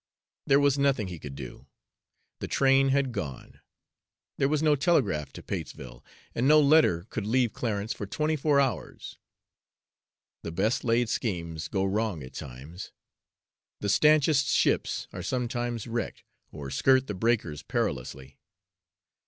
There was nothing he could do. The train had gone; there was no telegraph to Patesville, and no letter could leave Clarence for twenty four hours. The best laid schemes go wrong at times the stanchest ships are sometimes wrecked, or skirt the breakers perilously.